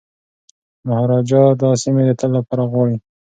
مهاراجا دا سیمي د تل لپاره غواړي.